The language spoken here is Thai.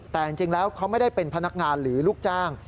แต่จริงแล้วเขาไม่ได้เป็นพนักงานหรือลูกจ้าง